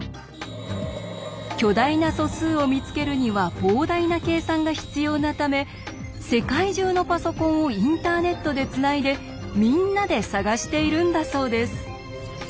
巨大な素数を見つけるには膨大な計算が必要なため世界中のパソコンをインターネットでつないでみんなで探しているんだそうです。